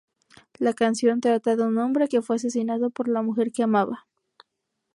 La canción trata de un hombre que fue asesinado por la mujer que amaba.